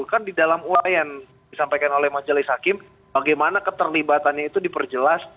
kan di dalam ulayan disampaikan oleh majelis hakim bagaimana keterlibatannya itu diperjelas